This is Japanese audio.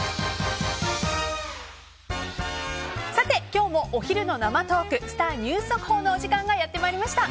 今日もお昼の生トークスター☆ニュース速報のお時間がやってきました。